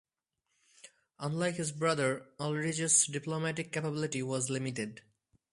Unlike his brother, Ulrich's diplomatic capability was limited.